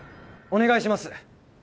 お願いします！